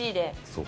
そう。